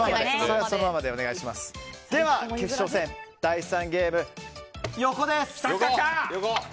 では、決勝戦第３ゲーム、横です！